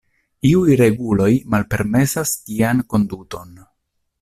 Iuj reguloj malpermesas tian konduton.